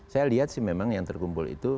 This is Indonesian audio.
saya lihat sih memang yang terkumpul itu